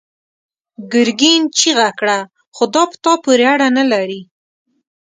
ګرګين چيغه کړه: خو دا په تا پورې اړه نه لري!